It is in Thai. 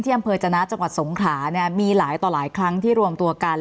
อำเภอจนะจังหวัดสงขลาเนี่ยมีหลายต่อหลายครั้งที่รวมตัวกัน